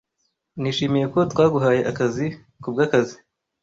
Nishimiye ko twaguhaye akazi kubwakazi.